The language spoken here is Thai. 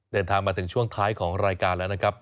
เดินทางมาถึงช่วงท้ายของรายการแล้วนะครับ